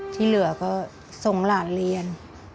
ที่เหลือก็ส่งหลานเรียน